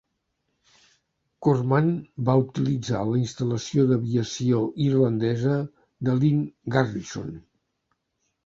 Corman va utilitzar la instal·lació d'aviació irlandesa de Lynn Garrison.